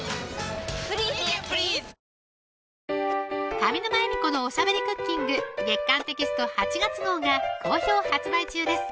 上沼恵美子のおしゃべりクッキング月刊テキスト８月号が好評発売中です